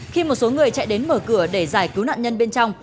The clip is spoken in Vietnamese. khi một số người chạy đến mở cửa để giải cứu nạn nhân bên trong